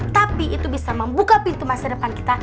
tapi itu bisa membuka pintu masa depan kita